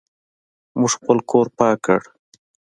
موږ خپل کور پاک کړ.